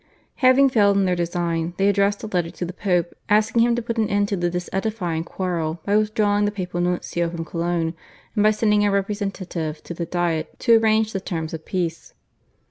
Having failed in their design, they addressed a letter to the Pope asking him to put an end to the disedifying quarrel by withdrawing the papal nuncio from Cologne, and by sending a representative to the Diet to arrange the terms of peace.